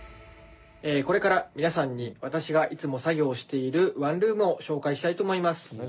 これから皆さんに私がいつも作業しているワンルームを紹介したいと思います。